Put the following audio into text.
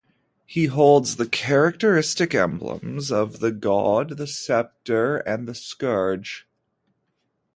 He holds the characteristic emblems of the god, the scepter and the scourge.